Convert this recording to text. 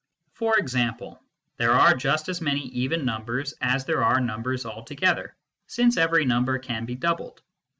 For example, there are just as many even numbers as there are numbers altogether, since every number can be doubled.